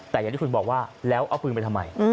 แต่อย่างที่คุณบอกว่าแล้วเอาปืนไปทำไม